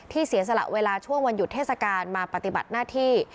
เสียสละเวลาช่วงวันหยุดเทศกาลมาปฏิบัติหน้าที่